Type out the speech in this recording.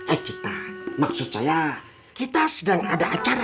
eh kita maksud saya kita sedang ada acara